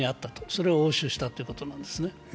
それを押収したということなんですね。